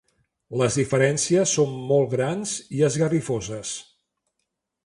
Les diferències són molt grans i esgarrifoses.